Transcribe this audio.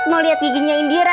mau liat giginya indira